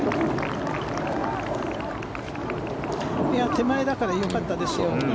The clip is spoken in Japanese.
手前だからよかったですよ。